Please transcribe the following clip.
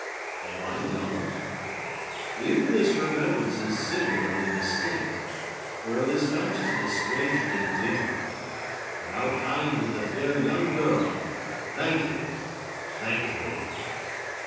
Am I young? Either this remembrance is singularly distinct, or this consciousness strangely dim! But how kind of the fair young girl! Thank you! Thank you!"